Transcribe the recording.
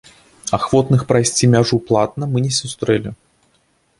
Ахвотных прайсці мяжу платна мы не сустрэлі.